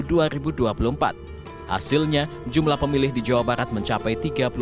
hasilnya jumlah pemilih di jawa barat mencapai tiga